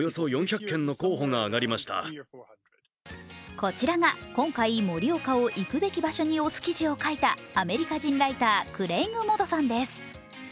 こちらが、今回、盛岡を行くべき場所に推す記事を書いたアメリカライター、クレイグ・モドさんです。